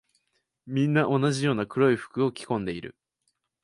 みんな同じような黒い服を着込んでいる。